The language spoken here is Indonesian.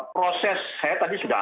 proses saya tadi sudah